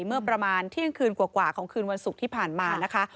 เมื่อประมาณเที่ยงคืนกว่าของคืนวันศุกร์ที่ผ่านมานะคะ